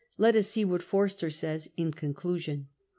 Let us see what Forster says in conclusion.